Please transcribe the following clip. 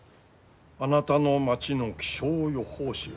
「あなたの町の気象予報士」